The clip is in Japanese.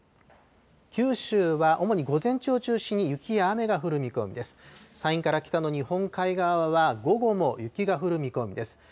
九州は主に午前中を中心に、雪や雨が降る見込みです。